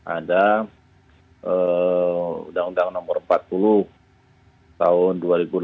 ada uu no empat puluh tahun dua ribu delapan